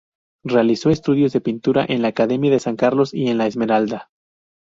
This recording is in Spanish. Realizó estudios de pintura en la Academia de San Carlos y en La Esmeralda.